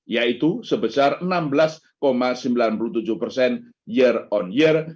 yaitu sebesar enam belas sembilan puluh tujuh persen year on year